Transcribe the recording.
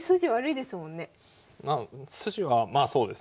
筋はまあそうですね。